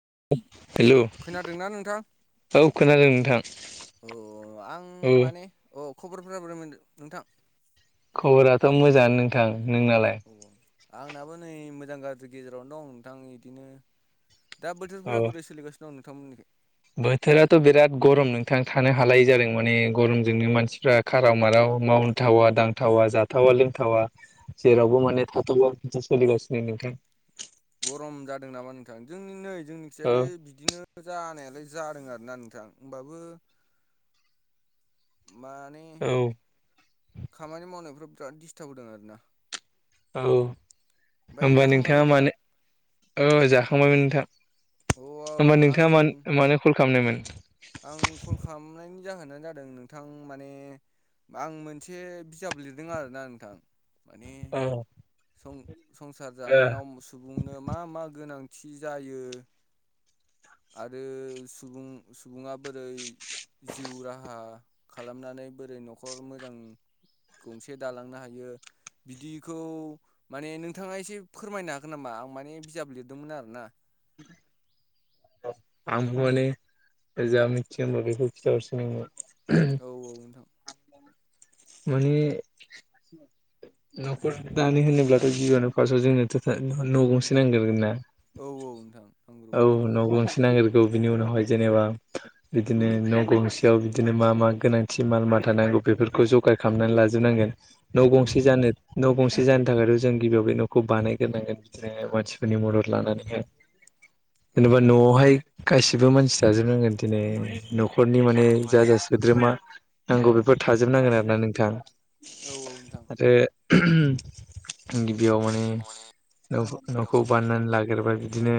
[inaudible] खोना दोंना नोंथां? औ खोनादों नोंथां अ आं औ माने, औ। खबरफोरा बोरै मोनदों नोंथां? खबराथ' मोजां नोंथां नोंनालाय? औ आंनाबो नै मोजां गाज्रि गेजेरावनो दं नोंथां इदिनो दा अ बोथोरफोरा बोरै सोलिगासिनो? नोंथांमोननिखै बोथोराथ' बिराद गरम नोंथां, थानो हालायै जादों, माने गरमजोंनो मानसिफ्रा खाराव-माराव, अ मावथावा-दांथावा, जाथावा-लोंथावा, अ जेरावबो माने थाथावा-माथावा सोलिगासिनो नोंथां। गरम जादों नामा नोंथां? जोंनि नै जोंनिखिजाय औ बे बिदिनो जानायालाय जादों आरोना नोंथां होमबाबो, माने, औ खामानि मावनायफ्राव बिराद दिसटाबहोदों आरोना, औ, ओमफ्राय होमबा जाखांबायमोन नोंथाङा नोंथां? मानो? औ जाखांबायमोन नोंथां। अ होमबा नोंथाङा आं मानो-मानो कल खालामनायमोन? आं कल खालाम नायनि जाहोनानो जादों, नोंथां माने, आं मोनसे बिजाब लिरदों आरोना नोंथां। माने अ सं-संसार ओ जानायाव सुबुंनो मा-मा गोनां? थि जायो, आरो सुबुं-सुबुङा बोर जिउ राहा, खालामनानै बोरै न'खर मोजां गंसे दालांनो हायो। बिदिखौ, माने नोंथाङा एसे फोरमायनो हागोन नामा? आं माने बिजाब लिरदोंमोन आरोना। [unintelligible] आंबो माने, जा मिथियो होमबा बेखौ खिथाहरसै नोंनो औ औ नोंथां माने, न'खर दानो होनोब्लाथ' जिउआनो फार्स्टआव जोंनो न' गंसे नांगोरगोन ना। औ औ नोंथां औ नांग्रोगौथ' आरो न' गंसे नांगो औ बिनि उनावहाय जेनेबा, बिदिनो न' गंसेयाव बिदिनो मा-मा गोनांथि माल मा थानां बेफोरखौ जगार खालामनानै लाोबांजोब नांगोन। न' औ गंसे नोंथां जानो न' गंसे, जानो थाखायथ' जों गिबियाव बे न'खौ बानायग्रनांगोन बिदिनो मानसिफोरनि मदद लानानैहाय, औ जेनेबा नोंथां न'आवहाय गासिबो मानसि जाजोबनांगोन दिनै, न'खरनि माने जा-जा सोद्रोमा नांगौ बेफोर औ औ थाजोबनांगोन आरो, नोंथां औ नोंथां आरो [unintelligible] बेयाव माने, औ न' - औ न'खौ बाननानै ला नागेरबा बिदिनो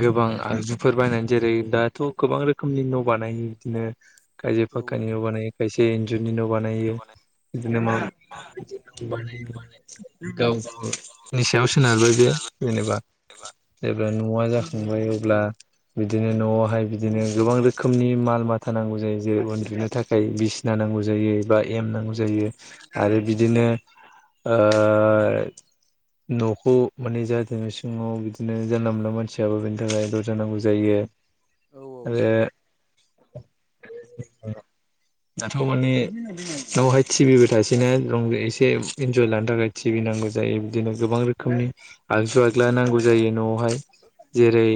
गोबां आगजुफोर बायनानै जेरै दाथ' गोबां रोखोमनि न' बानायो। बिदिनो खायसे औ फाखक्कानि न' बानायो खायसे इन्जुरनि न' औ बानायो नोंथां बिदिनो मा? [inaudible] औ औ गाव-गावनि सायाव औ औ सोनारबाय बे जेनेबा नोंथां जेब्ला न'आ जाखांबाय अब्ला बिदिनो न'आवहाय बिदिनो गोबां रोखोमनि माल-माथा नांगौ जायो। जेरै उन्दुनो थाखाय बिसि ना नांगौ जायो बा एम नांगौ जायो। आरो बिदिनो ओ न'खौ माने जाहाथे इसिं नवाव बिदिनो जानला-मोनला मानसि हाबो बेनि थाखाय दरजा नांगौ जायो। आरो [unintelligible] दाथ' माने न'आवहाय टिभिबो थासेैनो रंज एसे इन्जय लानो थाखाय टिभि नांगौ जायो बिदिनो गोबां रो खोमनि आगजु आगला नांगौ जायो न'आवहाय। जेरै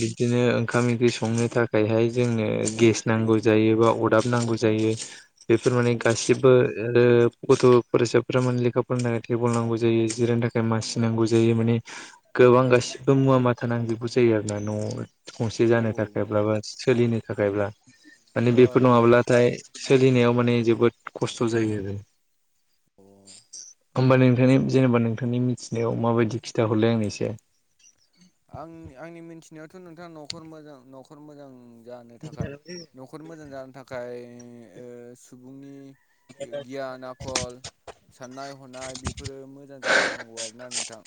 बिदिनो ओं खाम ओंख्रि संनो थाखायहाय जोंनो गेस नांगौ जायो बा अदाब नांगौ जायो। बेफोर माने गासिबो ओदो गथ' फरायसाफोरा माने लेखा फरायनो थाखाय टेबोल नांगौ जायो जिरायनो थाखाय मासि नांगौ जायो माने। गोबां गासिबो मुवा माथा नांजुबगौ जायो आरोना न'आव। गंसे जानो थाखायब्ला बा सोलिनो थाखायब्ला माने औ बेफोर औ नङाब्लाथाय सोलिनायाव माने जोबोद खस्थ' जायो आरो। अ होमबा नोंथांनि जेनेबा नोंथांनि मिथिनायाव माबायदि खिथा हरलाय आंनो इसे। आं आंनि मिथिनायावथ' नोंथाङा न'खर मोजां न'खर मोजां जानो थाखाय न'खर मोजां जानो थाखाय ओ सुबुंनि गि-गियान आखल साननाय हनाय बेफोरो मोजां जाग्रोनांगौ आरोना नोंथां।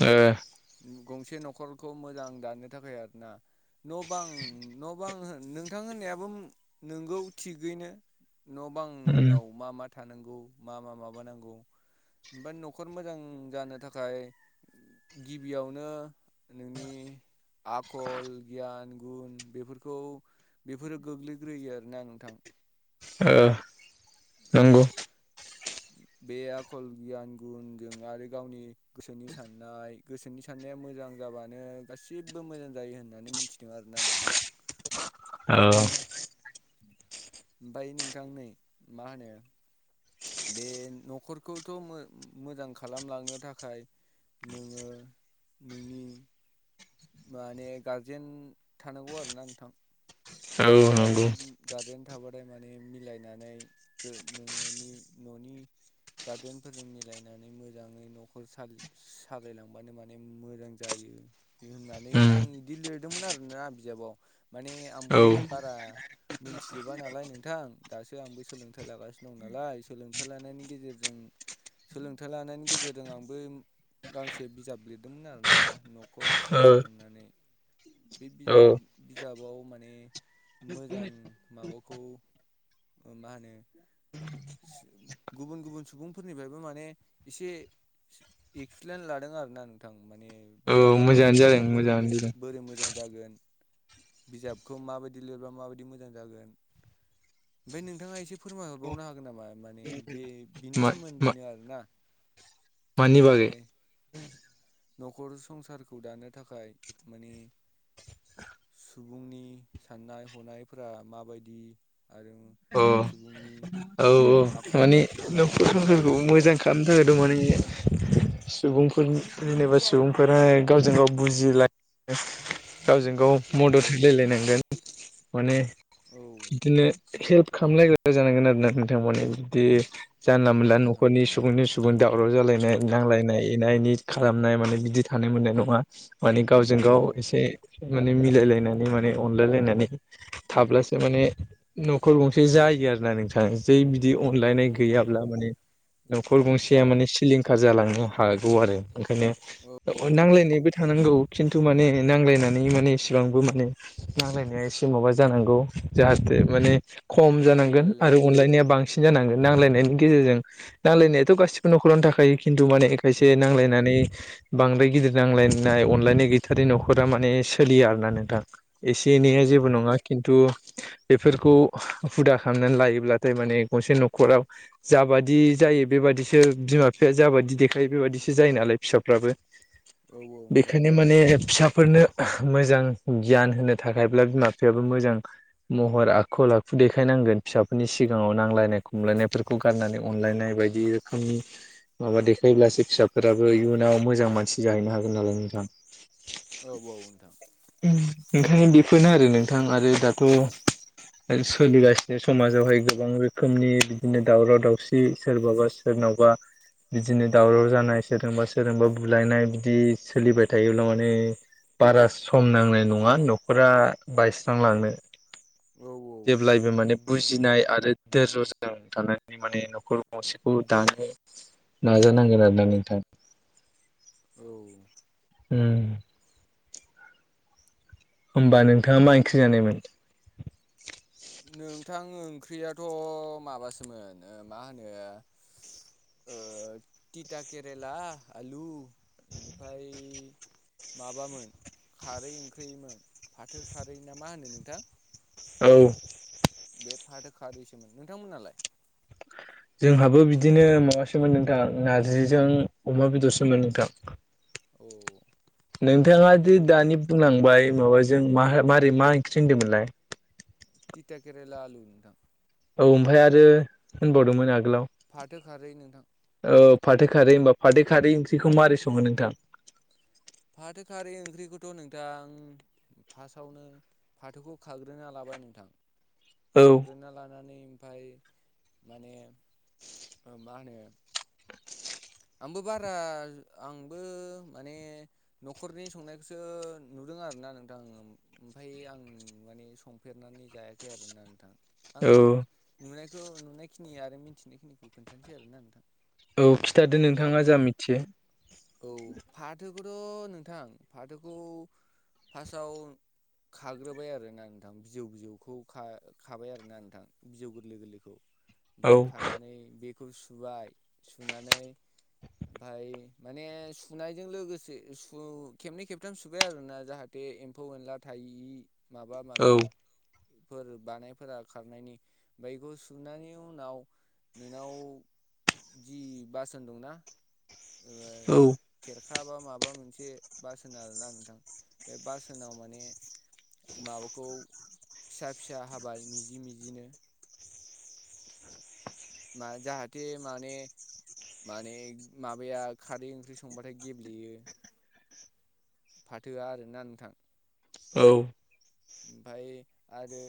ओ गंसे न'खरखौ मोजां दानो थाखाय आरोना। न' बां न' बां होन नोंथां होननायाबो नोंगौ थिगैनो न' बांआव मा मा थानांगौ मा मा माबानांगौ? ओमफाय न'खर मोजां जानो थाखाय गिबियावनो नोंनि आखल, गियान, गुन बेफोरखौ बेफोरो गोग्लैग्रोयो आरोना नोंथां। ओ औ नंगौ। [inaudible] बे आखल गियान गुनजों आरो गावनि गोसोनि साननाय गोसोनि साननाया मोजां मोजां जाबानो गासिबो मोजां जायो होननानै मिथिदों आरोना नोंथां। औ। ओमफाय नोंथां नै मा होनो बे न'खरखौथ' मो-मोजां खालामलांनो थाखाय नोङो नोंनि माने गारजेन थानांगौ आरो ना नोंथां। औ नंगौ। गारजेन गारजेन थाबाथाय माने मिलायनानै गो नोङो नि न'नि गारजेनफोरजों मिलायनानै मोजाङै न'खर सालाय सालायलांबानो माने मोजां जा यो होननानै उम आं इदि लिरदोंमोन आरोना बिजाबाव माने आंबो औ ओ बारा मोनथिजोबा नालाय नोंथां दासो आंबो सोलोंथाइ लागासिनो दं नालाय सोलों थाइ लानायनि गेजेरजों सोलोंथाइ लानायनि गेजेरजों आंबो गांसे बिजाब लिरदोंमोन आरोना न' ख'र औ संसार होननानै। बे बिजाब बिजाबाव माने मोजां माबाखौ ओ मा होनो सु गुबुन गुबुन सुबुंफोरनिफ्रायबो माने एसे एक्सप्लेन लादों आरोना नोंथां माने औ बिजाबा बोरै मोजाङानो जादों लिरबा बोरै मोजाङानो मो जादों बोरै मोजां जागोन बिजाबखौ माबायदि लिरब्ला माबायदि मोजां जागोन। ओमफ्राय नोंथाङा एसे फोरमाय हरबावनो हागोन नामा माने बे बिनि मा मा सोमोन्दैनो आरोना मानि माने बागै? न'खर संसारखौ दानो थाखाय माने सुबुंनि साननाय हनायफोरा माबायदि आरो सुबुंनि औ औ आखल माने आखुफोरा न'खर माबायदि संसारखौ जानांगौ मोजां खालामनो बिदि थाखायथ' माने सुबुंफोर जेनेबा सुबुंफोरा गावजों गाव बुजिलायो गावजों गाव मदद औ औ होलायलायनांगोन माने औ बिदिनो हेल्प खालामलायग्रा जानांगोन आरोना नोंथां माने बिदि औ जानला मोनला नोंथां न'खरनि सुबुंनि सुबुं दावराव जालायनाय सुबुंनि दावराव नांलायनाय एना एनि खालामनाय माने बिदि थानो मोननाय नङा माने गावजों गाव औ एसे माने मिलायलायनानै माने अनलाय लायनानै थाब्लासो माने न'खर गंसे जायो आरो ना नोंथां जै बिदि औ अनलायनाय गैयाब्ला नोंथां माने न'खर औ गंसेया माने सिलिं खार जालांनो हागौ आरो ओंखायनो औ नांज्लायनायबो थानांगौ खिन्थु माने नांलायनानै माने इसेबांबो माने नांजलायनाया एसे माबा जानांगौ जाहाथे बे माने खम जानांगोन आरो मिलायलायनो अनलायनाया बांसिन साबसिन जानांगोन नांलायनायनि गेजेरजों नांलायनायाथ' गासिबो न'खरावनो थाखायो खिन्थु माने औ खायसे नांलायनानै बांद्राय गिदिर नांलायनाय अनलायनाय गैथारै न'खरा माने सोलिया आरो ना नोंथां एसे औ एनैआ जेबो नङा खिन्थु बेफोरखौ हुदा खालामनानै लायो ब्लाथाय माने गसे न'खराव जाबादि जायो बेबादिसो बिमा बिफाया जाबादि देखायो बेबायदिसो जायो नालाय फिसाफ्राबो औ औ नोंथां बेखायनो माने फिसा फोरनो मोजां गियान होनो थाखायब्ला बिमा बिफायाबो मोजां महर आखल आखु देखायनांगोन फिसा फोरनि सिगाङाव नांलायनाय खमलायनायफोरखौ गारनानै अनलायनाय बायदि रोखोमनि माबा देखायोब्लासो फिसाफोराबो इयुनाव मोजां मानसि जाहैनो हागोन नालाय नोंथां औ औ नोंथां ओंखायनो बेफोरनो आरो नोंथां आरो दाथ' सोलिगासिनो समाजावहाय गोबां रोखोमनि बिदिनो दावराव दावसि सोरबाबा सोरनावबा बिदिनो दावराव जानाय सोरजोंबा सोरजोंबा बुलायनाय बिदि सोलिबाय थायोब्ला माने बारा सम नांनाय नङा न'खरा बायस्रांलांनो औ औ जेब्लायबो माने बुजिनाय आरो दोरज'जों थानानै माने न'खर गंसेखौ दानो नाजानांगोन आरोना नोंथां औ ओम होमबा नोंथाङा मा ओंख्रि जानायमोन नोंथां ओंख्रियाथ' माबासोमोन मा होनो तिता केरेला आलु बेनिफ्राय माबामोन खारै ओंख्रिमोन फाथो खारै ना मा होनो नोंथां औ बे फाथोखारदैसोमोन नोंथांमोनालाय जोंहाबो बिदिनो माबासोमोन नोंथां नारजिजों अमा बेदरसोमोन नोंथां औ नोंथाङा दिे गो दानि बुंलांबाय माबाजों मारै मा ओंख्रि होनदोंमोनलाय तिथा केेरेला आलु नोंथां औ ओमफ्राय आरो होनबावदोंमोन आं फाथो खारै नोंथां फाथो खारै होनोमबा फाथै खारै ओंख्रिखौ माबोरै सङो नोंथां फाथो खारै ओंख्रिखौथ' नोंथां फासावनो फाथोखौ खाग्रोना लाबाय नोंथां औ खाग्रोना लानानै ओमफाय माने मा होनो आंबो बारा आंबो माने न'खरनि संनायखौसो नुदों आरोना नोंथां ओमफ्राय आं माने संफेरनो देरनानै जायाखै आरो ना नोंथां आं औ नुनायखौ नुनायखिनि आरो मिन्थिनायखिनिखौ खोन्थानोसै आरोना नोंथां औ खिथादो फा नोंथाङा जा मिथियो बेखौथ' नोंथां फाथोखौ फार्स्टआव खाग्रोबाय आरो ना नोंथां बिजौ बिजौखौ खाबाय आरोना नोंथां बिजौ गोरलै गोरलैखौ औ ओमफाय खानानै बे खौ सुबाय सुनानै ओमफाय माने सुनायजों लोगोसे खेबनै खेबथाम सुबाय आरोना जाहाथे एम्फौ एनला थायि माबा औ माबि फोर बानायफोरा खारनायनि बैग सुनायनि उनाव नोंनाव जि बास होनदों ना औ खाबा माबा मोनसे बास होनो आरोना नोंथां बे बास होनाव माने माबाखौ फिसा फिसा हाबाय मिजि मिजिनो मा जाहाथे माने माने माबाया खारै ओंख्रि संबाथाय गेब्लेयो फाथोआ आरोना नोंथां औ फाय आरो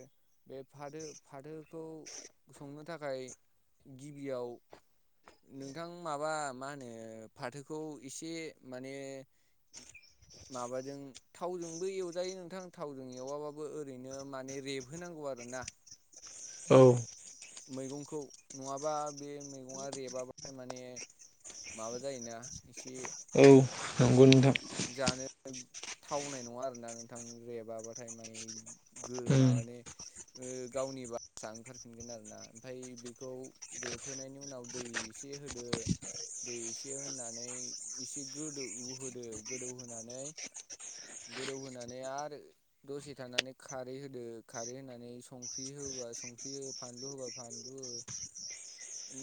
बे फाथो फाथोखौ संनो थाखाय गिबियाव नोंथां माबा मा होनो फाथोखौ एसे माने माबाजों थावजोंबो एवजायो नोंथां थावजों एवाबाबो ओरैनो माने रेबहोनांगौ आरोना औ मैगंखौ नङाबा बे मैगंङा रेबाबा माने माबा जायोना एसे औ नंगौ नोंथां जानो थावनाय नङा आरोना नोंथां रेबाबाथाय माने गोमा उम ने गावनि बासाआ ओंखारफिनगोन आरो ना ओमफ्राय बेखौ रेबहोनायनि उनाव दै एसे होदो दै एसे होनानै एसे गोदो उ होदो गोदौहानै गोदौहोनानै आरो दसे थानानै खारै होदो खारै होनानै संख्रि हो होबा संख्रि फानलु होबा फानलु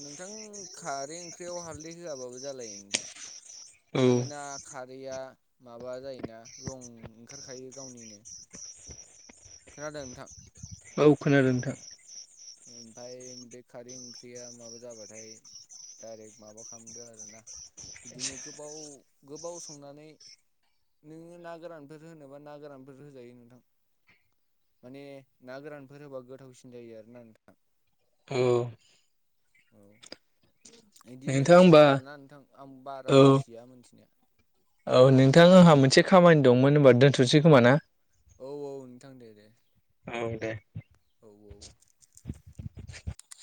नोंथां खारै ओंख्रियाव हालदै होआबाबो जालायो नोंथां औ माने ना खारैया माबा जायोना रं ओंखारखायो गावनिनो खोनादों नोंथां औ खोनादों नोंथां ओमफाय बे खारै ओंख्रिया माबा जाबाथाय डाइरेक्ट माबा खालामदो आरोना बिदिनो गोबाव गोबाव संनानै नोङो ना गोरानफोर होनोबा ना गोरानफोर होजायो नोंथां माने ना गोरानफोर होबा गोथावसिन जायो आरो ना औ औ बिदिनो नोंथां सङो होमबा आरोना नोंथां आं बारा औ मोनथिया मोनथिनाया औ नोंथां आंहा मोनसे खामानि दंमोन होनबा दोनथ'सै खोमा ना औ औ नोंथां दे दे औ दे औ औ